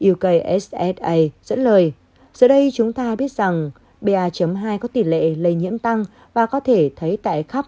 yokssa dẫn lời giờ đây chúng ta biết rằng ba hai có tỷ lệ lây nhiễm tăng và có thể thấy tại khắp